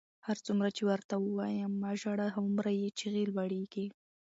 هرڅومره چې ورته وایم مه ژاړه، هغومره یې چیغې لوړېږي.